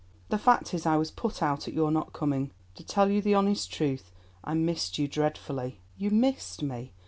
The fact is, I was put out at your not coming. To tell you the honest truth, I missed you dreadfully." "You missed me.